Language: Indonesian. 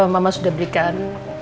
mama sudah berikan